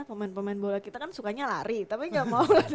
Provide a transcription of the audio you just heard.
pemain pemain bola kita kan sukanya lari tapi gak mau